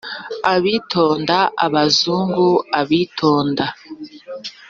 abitonda, abazungu, abitonda,